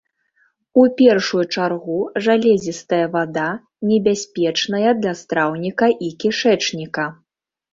У першую чаргу жалезістая вада небяспечная для страўніка і кішэчніка.